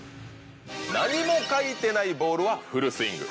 何も描いてないボールはフルスイング。